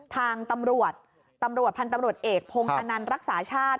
ทางตำรวจทางตำรวจเอกโพงอนันรักษัชาติ